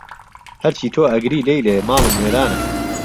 ههرچی تۆ ئهگری لهیلێ، ماڵم وێرانه